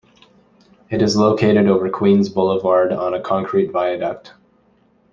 It is located over Queens Boulevard on a concrete viaduct.